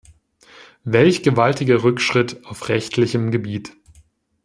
Welch gewaltiger Rückschritt auf rechtlichem Gebiet!